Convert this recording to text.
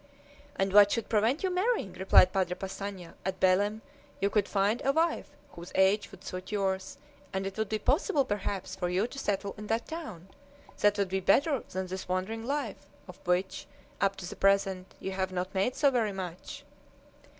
"And what should prevent you marrying?" replied Padre Passanha; "at Belem you could find a wife whose age would suit yours, and it would be possible perhaps for you to settle in that town. That would be better than this wandering life, of which, up to the present, you have not made so very much."